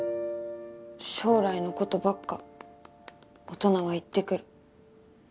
「将来のことばっか大人は言ってくる」。